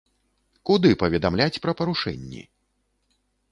Куды паведамляць пра парушэнні?